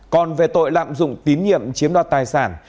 còn về tội lạm dụng tín nhiệm chiếm đoạt tài sản